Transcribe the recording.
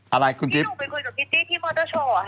ที่หนุ่มไปคุยกับพิตตี้ที่มอเตอร์โชว์หรอฮะ